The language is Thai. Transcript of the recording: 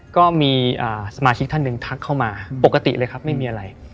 ก็มีสมาชิกท่านหนึ่งทักเข้ามาปกติเลยครับไม่มีอะไร